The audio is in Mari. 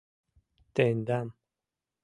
Тендам